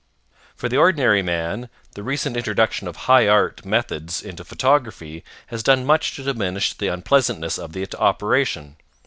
For the ordinary man, the recent introduction of high art methods into photography has done much to diminish the unpleasantness of the operation.